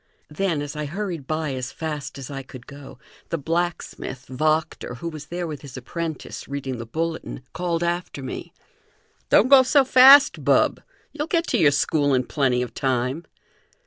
Then, as I hurried by as fast as I could go, the blacksmith, Wachter, who was there, with his apprentice, reading the bulletin, called after me: "Don't go so fast, bub; you'll get to your school in plenty of time!"